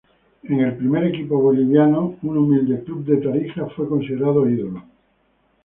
En el primer equipo boliviano, un humilde club de Tarija, fue considerado ídolo.